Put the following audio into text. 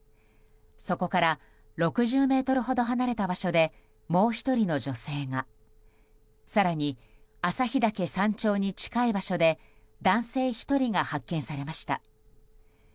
そこから６０ｍほど離れた場所でもう１人の女性が更に朝日岳山頂に近い場所で男性１人が発見されました。